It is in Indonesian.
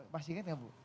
masih ingat enggak bu